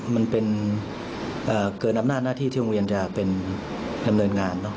มันเป็นเกิดนำหน้าหน้าที่ที่องค์เวียนจะเป็นดำเนินงาน